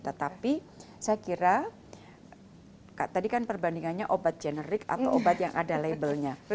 tetapi saya kira tadi kan perbandingannya obat generik atau obat yang ada labelnya